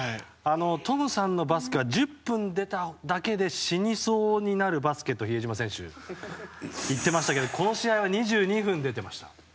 トムさんのバスケは１０分出ただけで死にそうになるバスケと比江島選手、言ってましたけどこの試合は２２分出てました。